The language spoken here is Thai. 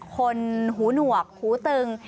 คนหูหนวกหูตึง